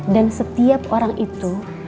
dan setiap orang itu